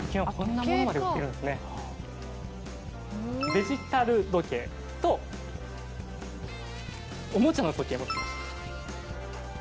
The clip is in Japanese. デジタル時計とおもちゃの時計持ってきました。